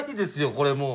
これもう。